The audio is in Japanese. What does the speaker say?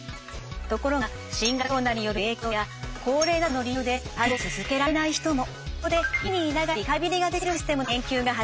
ところが新型コロナによる影響や高齢などの理由でリハビリを続けられない人も。